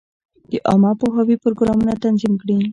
د عامه پوهاوي پروګرامونه تنظیم کړي.